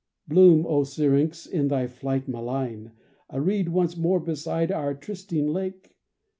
Bloom then, O Syrinx, in thy flight malign, A reed once more beside our trysting lake.